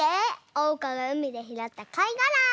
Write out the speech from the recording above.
おうかがうみでひろったかいがら。